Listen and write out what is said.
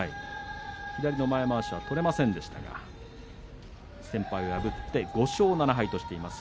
左のまわしは取れませんでしたが先輩を破って５勝７敗としました。